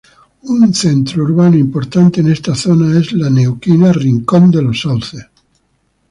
Un centro urbano importante de esta zona es la neuquina Rincón de los Sauces.